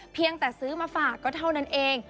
เพียงแต่ซื้อมาฝากก็เท่านั้นเอง